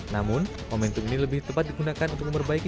namun momentum ini lebih tepat digunakan untuk memperbaiki